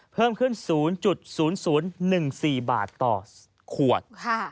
เพิ่มขึ้น๐๐๑๔บาทต่อขวด